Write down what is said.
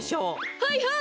はいはい！